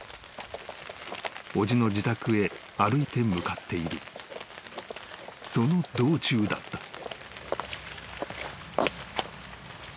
［おじの自宅へ歩いて向かっているその道中だった］